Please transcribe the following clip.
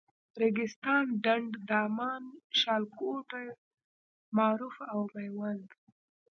ریګستان، ډنډ، دامان، شاولیکوټ، معروف او میوند.